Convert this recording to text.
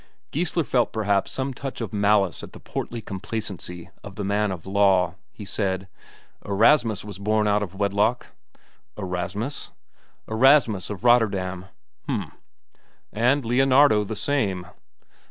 Geissler felt perhaps some touch of malice at the portly complacency of the man of law; he said: "Erasmus was born out of wedlock." "Erasmus ...?" "Erasmus of Rotterdam." "H'm." "And Leonardo the same."